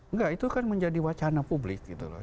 enggak itu kan menjadi wacana publik gitu loh